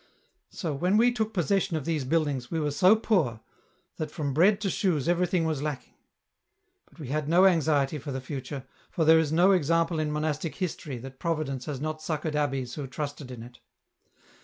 " So when we took possession of these buildings we were so poor, that from bread to shoes everything was lacking ; but we had no anxiety for the future, for there is no example in monastic history that Providence has not succoured abbeys who trusted in it.